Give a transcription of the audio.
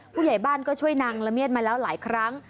ผู้ใหญ่บ้านก็ช่วยนางละเมียดมาแล้วหลายครั้ง